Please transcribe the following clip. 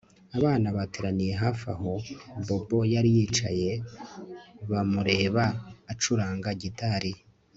Abana bateraniye hafi aho Bobo yari yicaye bamureba acuranga gitari